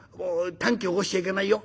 短気を起こしちゃいけないよ。